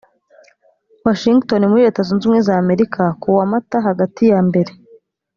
washingitoni muri leta zunze ubumwe za amerika kuwa mata hagati yambere